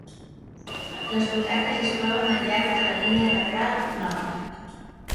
Les butaques es troben al llarg de la línia lateral nord.